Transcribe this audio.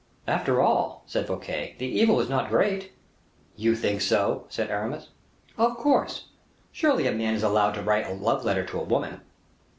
"After all," said Fouquet, "the evil is not great." "You think so?" said Aramis. "Of course. Surely a man is allowed to write a love letter to a woman."